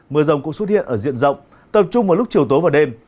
mưa rồng cũng xuất hiện ở diện rộng tập trung vào lúc chiều tối và đêm